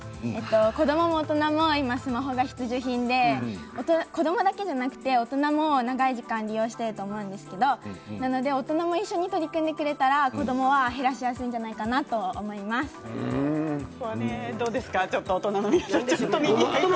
子どもも大人も今、スマホが必需品で子どもだけじゃなくて大人も長い時間を利用していると思うんですけどなので大人も一緒に取り組んでくれたら子どもは減らしやすいんじゃないかなとどうですか、大人皆さん。